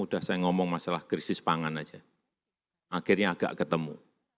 udah saya ngomong masalah krisis pangan saja akhirnya agak ketemu